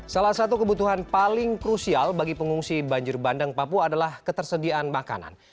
salah satu kebutuhan paling krusial bagi pengungsi banjir bandang papua adalah ketersediaan makanan